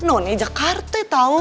mantan none jakarte tahu